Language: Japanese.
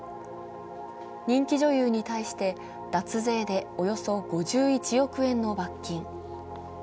人気女優に対して脱税でおよそ５１億円の罰金。